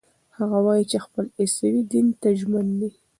هغه وايي چې خپل عیسوي دین ته ژمن دی.